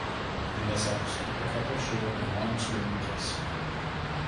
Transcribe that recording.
In this episode the couple shared an on screen kiss.